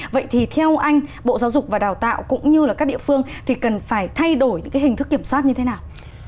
vậy thì theo anh bộ giáo dục và đào tạo cũng như là các địa phương thì cần phải thay đổi những cái hình thức kiểm soát như thế nào